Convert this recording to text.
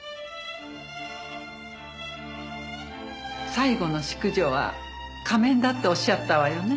最後の淑女は仮面だっておっしゃったわよね。